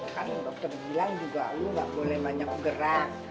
kan dokter bilang juga lu gak boleh banyak gerak